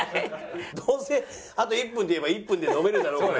どうせあと１分って言えば１分で飲めるだろうから。